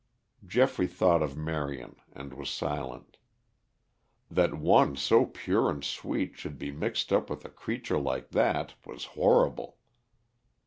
Geoffrey thought of Marion and was silent. That one so pure and sweet should be mixed up with a creature like that was horrible.